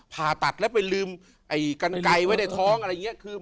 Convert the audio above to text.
ผ่าตัดแล้วไปลืมไอ้กันไกลไว้ในท้องอะไรอย่างนี้